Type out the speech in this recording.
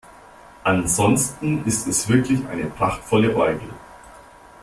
Ansonsten ist es wirklich eine prachtvolle Orgel.